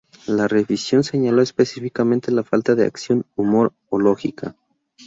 La revisión señaló específicamente la falta de "acción, humor o lógica".